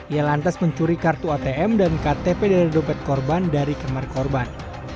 ia lantas mencuri kartu atm dan ktp dari dompet korban dari kamar korban